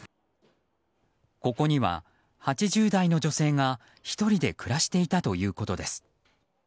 ここには、８０代の女性が１人で暮らしていたということです。